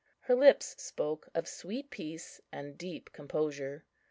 Her lips spoke of sweet peace and deep composure.